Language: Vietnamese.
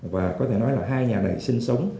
và có thể nói là hai nhà này sinh sống